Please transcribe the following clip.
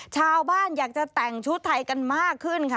อยากจะแต่งชุดไทยกันมากขึ้นค่ะ